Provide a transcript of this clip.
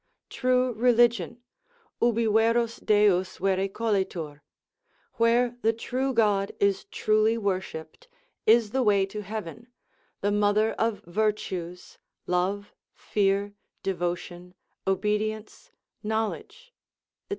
True religion, ubi verus Deus vere colitur, where the true God is truly worshipped, is the way to heaven, the mother of virtues, love, fear, devotion, obedience, knowledge, &c.